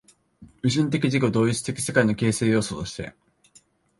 矛盾的自己同一的世界の形成要素として